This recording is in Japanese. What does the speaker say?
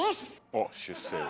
おっ出世魚。